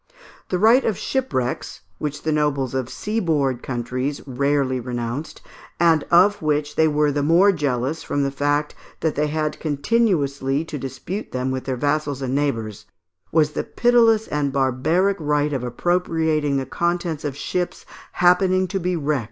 The right of shipwrecks, which the nobles of seaboard countries rarely renounced, and of which they were the more jealous from the fact that they had continually to dispute them with their vassals and neighbours, was the pitiless and barbaric right of appropriating the contents of ships happening to be wrecked on their shores.